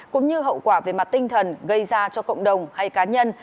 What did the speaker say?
cũng như hậu quả về mặt tinh thần gây ra cho cộng đồng hay cá nhân